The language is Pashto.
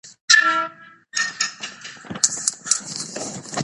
دوی مرچلونه نیولي وو.